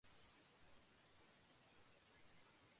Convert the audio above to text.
照明を明るいものに変更してから客が増えた